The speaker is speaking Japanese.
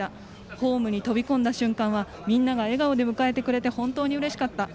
ホームに飛び込んだ瞬間はみんなが笑顔で迎えてくれて本当にうれしかった。